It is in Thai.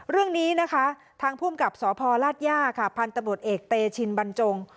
เรื่องนี้นะคะทางภูมิกับสพลาดย่าค่ะพันธุ์ตำรวจเอกเตชินบรรจง